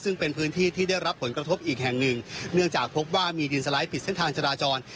ซึ่งเป็นพื้นที่ที่ได้รับผลกระทบอีกแห่งหนึ่งเนื่องจากพบว่ามีดินสไลด์ปิดเส้นทางจราจร